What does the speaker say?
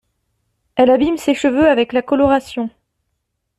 Elle abîme ses cheveux avec la coloration.